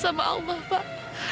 sama allah pak